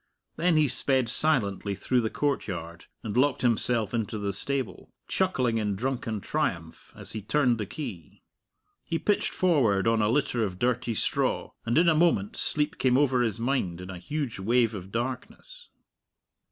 Then he sped silently through the courtyard and locked himself into the stable, chuckling in drunken triumph as he turned the key. He pitched forward on a litter of dirty straw, and in a moment sleep came over his mind in a huge wave of darkness.